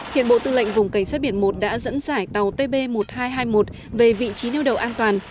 hiện bộ tư lệnh vùng cảnh sát biển một đã dẫn dải tàu tb một nghìn hai trăm hai mươi một về vị trí neo đậu an toàn